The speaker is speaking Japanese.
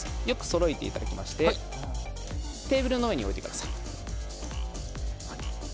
よくそろえていただきましてテーブルの上に置いてください。